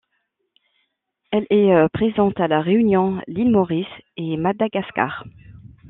Elle est présente à La Réunion, l'île Maurice et Madagascar.